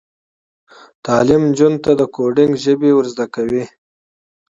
تعلیم نجونو ته د کوډینګ ژبې ور زده کوي.